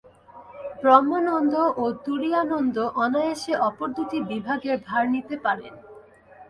ব্রহ্মানন্দ ও তুরীয়ানন্দ অনায়াসে অপর দুটি বিভাগের ভার নিতে পারেন।